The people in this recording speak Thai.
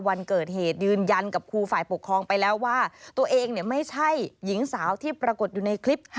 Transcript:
วันเกิดเหตุยืนยันกับครูฝ่ายปกครองไปแล้วว่าตัวเองไม่ใช่หญิงสาวที่ปรากฏอยู่ในคลิป